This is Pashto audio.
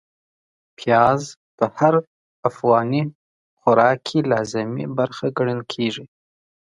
پياز په هر افغاني خوراک کې لازمي برخه ګڼل کېږي.